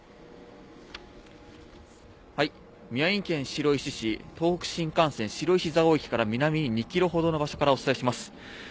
宮城県白石市東北新幹線、白石蔵王駅から南に２キロほどの場所からお伝えします。